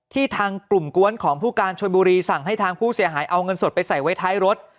ทางกลุ่มกวนของผู้การชนบุรีสั่งให้ทางผู้เสียหายเอาเงินสดไปใส่ไว้ท้ายรถ